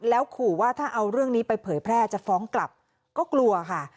แล้วขู่ว่าถ้าเอาเรื่องนี้ไปเผยแพร่จะฟ้องกลับก็กลัวค่ะ